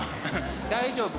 大丈夫？